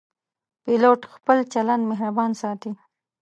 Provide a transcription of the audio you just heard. پیلوټ خپل چلند مهربان ساتي.